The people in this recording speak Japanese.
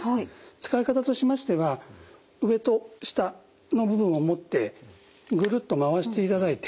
使い方としましては上と下の部分を持ってぐるっと回していただいて。